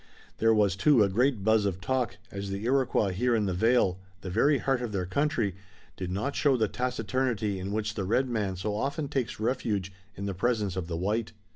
There was, too, a great buzz of talk, as the Iroquois here in the vale, the very heart of their country, did not show the taciturnity in which the red man so often takes refuge in the presence of the white.